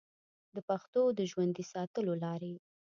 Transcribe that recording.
د پښتو د ژوندي ساتلو لارې